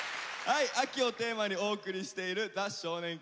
はい「秋」をテーマにお送りしている「ザ少年倶楽部」。